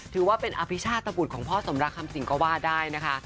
ถือว่าเป็นอภิชาตบุตรของพ่อสมรักคำสิงก็ว่าได้นะคะ